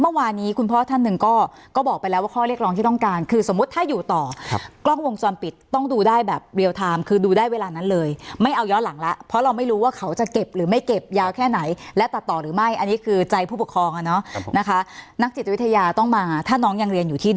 เมื่อวานนี้คุณพ่อท่านหนึ่งก็ก็บอกไปแล้วว่าข้อเรียกร้องที่ต้องการคือสมมุติถ้าอยู่ต่อกล้องวงจรปิดต้องดูได้แบบเรียลไทม์คือดูได้เวลานั้นเลยไม่เอาย้อนหลังแล้วเพราะเราไม่รู้ว่าเขาจะเก็บหรือไม่เก็บยาวแค่ไหนและตัดต่อหรือไม่อันนี้คือใจผู้ปกครองอ่ะเนาะนะคะนักจิตวิทยาต้องมาถ้าน้องยังเรียนอยู่ที่